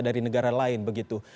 yang lain begitu